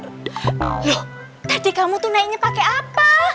lho tadi kamu tuh naiknya pakai apa